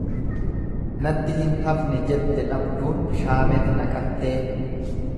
Natti hin hafne jette dhabduun shaameta naqattee.